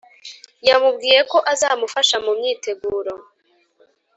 yamubwiye ko azamufasha mumyiteguro